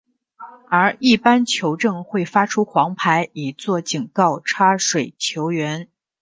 而一般球证会发出黄牌以作警告插水球员。